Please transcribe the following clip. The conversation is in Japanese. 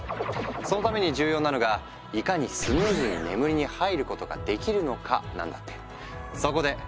そのために重要なのがいかにスムーズに眠りに入ることができるのかなんだって。